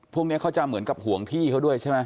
พวกนี้เขาจะเหมือนกับห่วงที่เขาด้วยใช่ไหม